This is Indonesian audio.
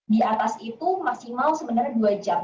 di atas itu maksimal sebenarnya dua jam